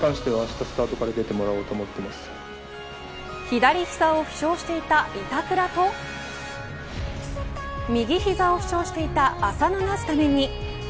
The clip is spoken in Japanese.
左膝を負傷していた板倉と右膝を負傷していた浅野がスタメンに。